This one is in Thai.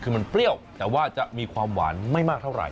คือมันเปรี้ยวแต่ว่าจะมีความหวานไม่มากเท่าไห